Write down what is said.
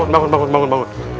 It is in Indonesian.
bangun bangun bangun